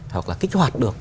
hoặc là kích hoạt được